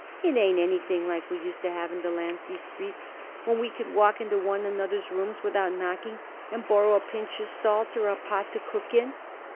It ain't anything like we used to have it in Delancey Street, when we could walk into one another's rooms without knocking, and borrow a pinch of salt or a pot to cook in."